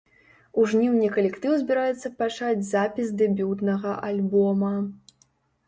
У жніўні калектыў збіраецца пачаць запіс дэбютнага альбома.